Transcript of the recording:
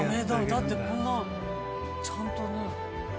だってこんなちゃんとね。